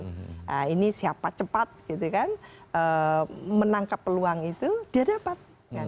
nah ini siapa cepat menangkap peluang itu dia dapat